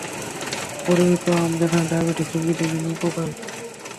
পরিমিত আম খেলে ডায়াবেটিস রোগীদের জন্য উপকারী।